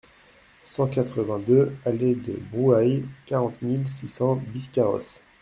cent quatre-vingt-deux allée de Brouhailles, quarante mille six cents Biscarrosse